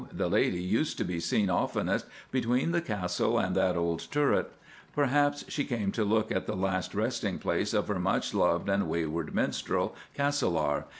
The Lady used to be seen oftenest between the Castle and that old turret. Perhaps she came to look at the last resting place of her much loved and wayward minstrel, Castelar.